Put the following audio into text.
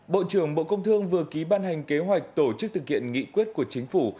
bộ trưởng bộ công thương vừa ký ban hành kế hoạch tổ chức thực hiện nghị quyết của chính phủ